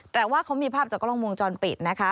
แต่ว่าเขามีภาพจากกล้องวงจรปิดนะคะ